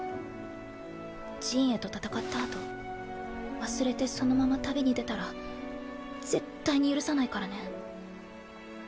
刃衛と戦った後忘れてそのまま旅に出たら絶対に許さないからね。